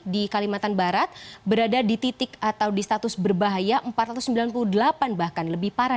di kalimantan barat berada di titik atau di status berbahaya empat ratus sembilan puluh delapan bahkan lebih parah